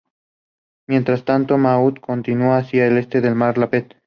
Mientras tanto, el "Maud" continuó hacia el este en el mar de Láptev.